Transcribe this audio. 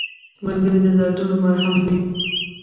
ملګری د دردونو مرهم وي